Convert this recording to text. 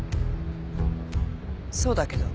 そうだけど。